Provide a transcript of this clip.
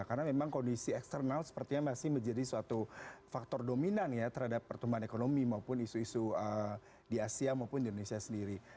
karena memang kondisi eksternal sepertinya masih menjadi suatu faktor dominan ya terhadap pertumbuhan ekonomi maupun isu isu di asia maupun di indonesia sendiri